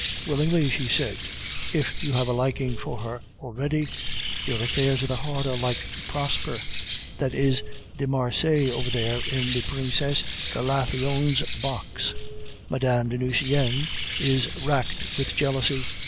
"Willingly," she said. "If you have a liking for her already, your affairs of the heart are like to prosper. That is de Marsay over there in the Princesse Galathionne's box. Mme. de Nucingen is racked with jealousy.